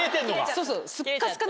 そうそう。